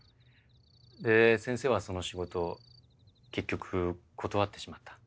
で先生はその仕事結局断ってしまった。